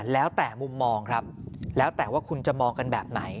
แล้วแต่มุมมองครับแล้วแต่ว่าคุณจะมองกันแบบไหน